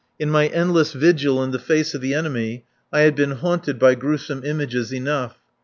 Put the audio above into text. In my endless vigil in the face of the enemy I had been haunted by gruesome images enough.